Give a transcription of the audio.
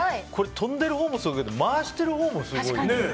跳んでるほうもすごいけど回してるほうもすごいよ。